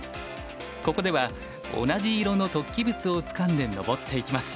ここでは同じ色の突起物をつかんで登っていきます。